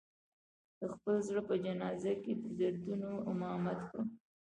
د خپل زړه په جنازه کې د دردونو امامت کړم